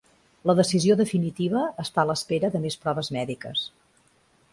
La decisió definitiva està a l'espera de més proves mèdiques.